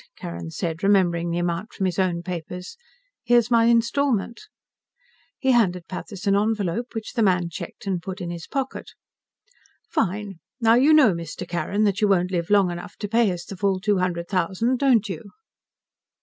"Right," Carrin said, remembering the amount from his own papers. "Here's my installment." He handed Pathis an envelope, which the man checked and put in his pocket. "Fine. Now you know, Mr. Carrin, that you won't live long enough to pay us the full two hundred thousand, don't you?"